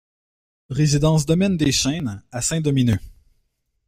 Résidence Domaine des Chenes à Saint-Domineuc